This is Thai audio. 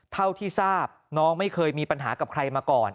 เท่าที่ทราบน้องไม่เคยมีปัญหากับใครมาก่อน